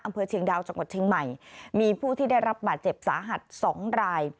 เชียงดาวจังหวัดเชียงใหม่มีผู้ที่ได้รับบาดเจ็บสาหัสสองราย